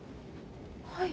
はい。